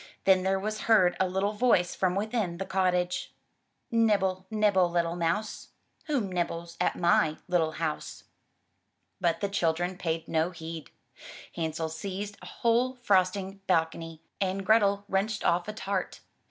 Then there was heard a little voice from within the cottage: "Nibble, nibble, little mouse. Who nibbles at my little house?*' 43 THROUGH FAIRY HALLS But the children paid no heed. Hansel seized a whole frost ing balcony and Grethel wrenched off a tart.